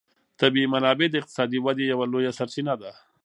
طبیعي منابع د اقتصادي ودې یوه لویه سرچینه ده.